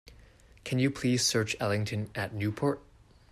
Can you please search Ellington at Newport?